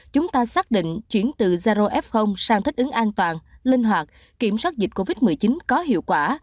chúng ta xác định chuyển từ zaro f sang thích ứng an toàn linh hoạt kiểm soát dịch covid một mươi chín có hiệu quả